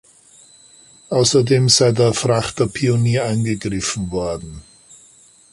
Außerdem sei der Frachter "Pionier" angegriffen worden.